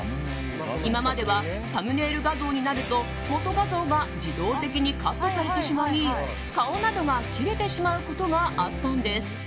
今まではサムネイル画像になると元画像が自動的にカットされてしまい顔などが切れてしまうことがあったんです。